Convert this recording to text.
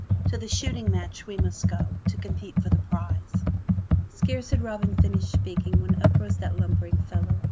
To the shooting match we must go to compete for the prize." Scarce had Robin Hood finished speaking when up rose that lumbering fellow.